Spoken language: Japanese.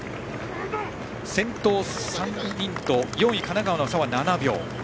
先頭３人と４位、神奈川の差は７秒。